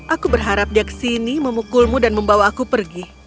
aku berharap dia kesini memukulmu dan membawa aku pergi